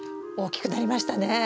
大きくなりましたね。